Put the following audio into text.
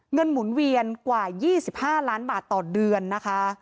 หมุนเวียนกว่า๒๕ล้านบาทต่อเดือนนะคะ